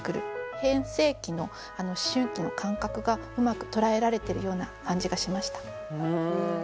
変声期の思春期の感覚がうまく捉えられてるような感じがしました。